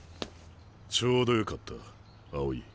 ちょうどよかった青井。